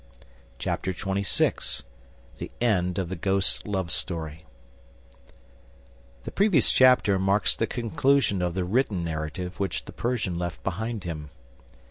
Chapter XXVI The End of the Ghost's Love Story The previous chapter marks the conclusion of the written narrative which the Persian left behind him.